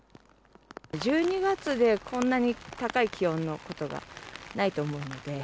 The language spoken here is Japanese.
１２月でこんなに高い気温のことがないと思うので。